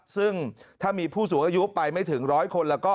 ซึ่งถ้ามีผู้สูงอายุไปไม่ถึงร้อยคนแล้วก็